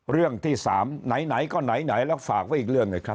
เรื่องที่สามไหนไหนก็ไหนไหนแล้วฝากไว้อีกเรื่องหน่อยครับ